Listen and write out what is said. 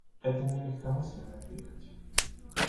Это не легкомысленная прихоть.